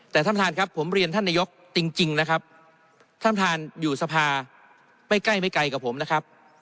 แต่ท่านประธานครับผมเรียนท่านนายกจริงนะครับท่านท่านอยู่สภาไม่ใกล้ไม่ไกลกับผมนะครับ